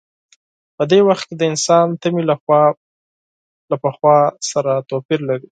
په دې وخت کې د انسان تمې له پخوا سره توپیر لري.